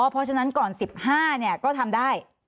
อ๋อเพราะฉะนั้นก่อน๑๕เนี่ยก็ทำได้